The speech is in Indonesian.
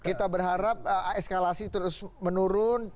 kita berharap eskalasi terus menurun